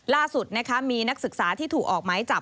ล่าสุดนะคะมีนักศึกษาที่ถูกออกไม้จับ